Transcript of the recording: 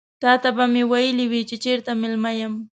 تاته به مې ويلي وي چې چيرته مېلمه یم.